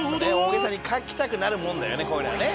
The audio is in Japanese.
大げさに書きたくなるもんだよねこういうのはね。